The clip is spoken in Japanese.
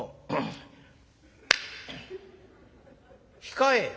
「控え。